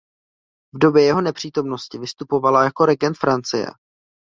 V době jeho nepřítomnosti vystupovala jako regent Francie.